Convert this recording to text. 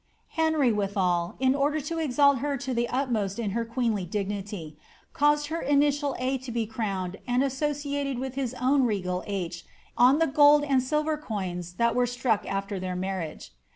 Henry, withal, in order to exalt her to the utmost in her queenly dignity, caused her initial A to be crowned and associated with his own regal H on the gold and silver coins that w^e struck after their marriage.